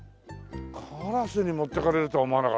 カラスに持っていかれるとは思わなかったな。